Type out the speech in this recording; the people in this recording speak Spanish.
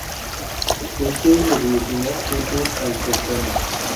Éste evolucionó junto al toscano.